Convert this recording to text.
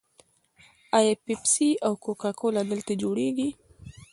آیا پیپسي او کوکا کولا دلته جوړیږي؟